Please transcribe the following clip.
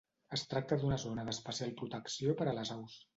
Es tracta d'una Zona d'especial protecció per a les aus.